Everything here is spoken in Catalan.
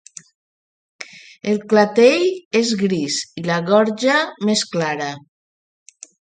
El clatell és gris i la gorja més clara.